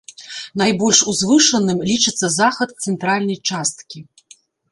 Найбольш узвышаным лічыцца захад цэнтральнай часткі.